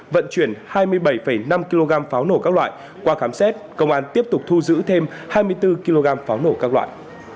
vận chuyển hai mươi bảy năm kg pháo nổ các loại qua khám xét công an tiếp tục thu giữ thêm hai mươi bốn kg pháo nổ các loại